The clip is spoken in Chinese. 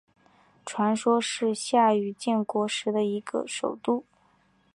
传说是夏禹建国时的首都。